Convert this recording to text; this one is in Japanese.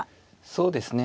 そうですね